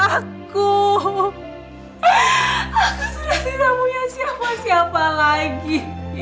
aku sudah tidak punya siapa siapa lagi